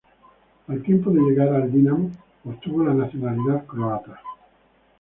Al tiempo de llegar al Dinamo obtuvo la nacionalidad Croata.